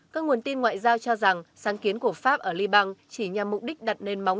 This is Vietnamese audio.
các nguồn tin ngoại giao cho rằng sáng kiến của pháp ở liban chỉ nhằm mục đích đặt nền móng